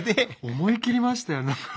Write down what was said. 思い切りましたよね。